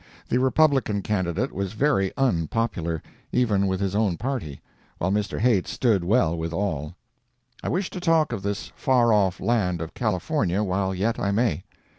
The Republican candidate was very unpopular, even with his own party, while Mr. Haight stood well with all. I wish to talk of this far off land of California while yet I may.